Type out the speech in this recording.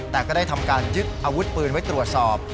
แต่ก็ได้ทำการยึดอาวุธปืนไว้ตรวจสอบ